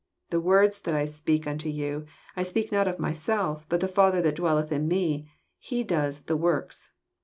The words that I speak unto you, I speak not of myself, but the Father that dwelleth in Me, He doeth the works."